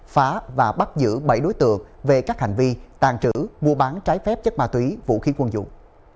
phá và bắt giữ bảy đối tượng về các hành vi tàn trữ mua bán trái phép chất ma túy vũ khí quân dụng